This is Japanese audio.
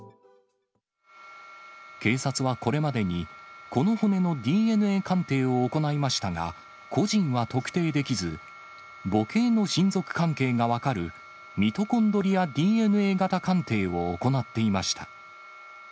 警察はこれまでに、この骨のＤＮＡ鑑定を行いましたが、個人は特定できず、母系の親族関係が分かるミトコンドリアＤＮＡ型鑑定を行っていました。